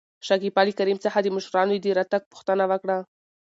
شکيبا له کريم څخه د مشرانو د راتګ پوښتنه وکړه.